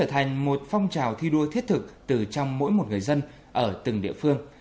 thành một phong trào thi đua thiết thực từ trong mỗi một người dân ở từng địa phương